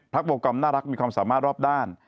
โปรแกรมน่ารักมีความสามารถรอบด้าน